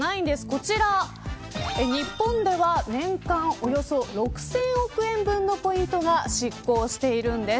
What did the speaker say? こちら日本ではおよそ６０００億円分のポイントが失効しているんです。